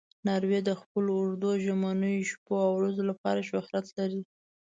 ناروی د خپلو اوږدو ژمنیو شپو او ورځو لپاره شهرت لري.